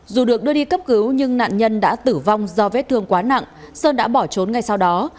dù được đưa đi cấp cứu nhưng nạn nhân đã tử vong do vết thương quá nặng sơn đã bỏ trốn ngay sau đó